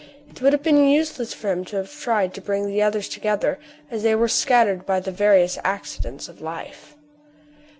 It would have been useless for him to have tried to bring the others together, as they were scattered by the various accidents of life.